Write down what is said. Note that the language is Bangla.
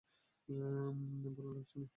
ভালো লাগছে না এখানে।